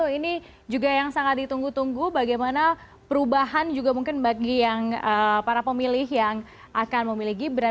ini juga yang sangat ditunggu tunggu bagaimana perubahan juga mungkin bagi yang para pemilih yang akan memilih gibran